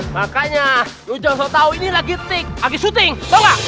makanya lu jangan sok tau ini lagi tik lagi syuting tau gak